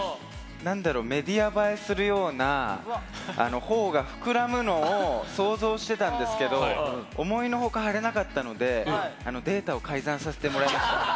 なんだろう、メディア映えするような、ほおが膨らむのを想像してたんですけど、思いのほか腫れなかったので、データを改ざんさせてもらいました。